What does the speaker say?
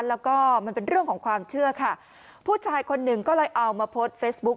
แล้วก็มันเป็นเรื่องของความเชื่อค่ะผู้ชายคนหนึ่งก็เลยเอามาโพสต์เฟซบุ๊ค